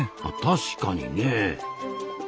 あ確かにね。